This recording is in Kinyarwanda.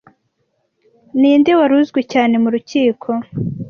Ninde wari uzwi cyane mu rukiko